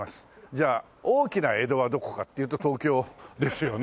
じゃあ大きな江戸はどこかっていうと東京ですよね。